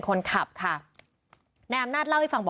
มีคนเสียชีวิตคุณ